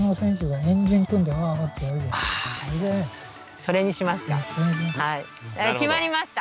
それにしますか。